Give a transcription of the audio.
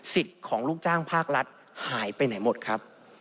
ของลูกจ้างภาครัฐหายไปไหนหมดครับ